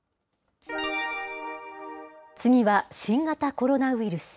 次は新型コロナウイルス。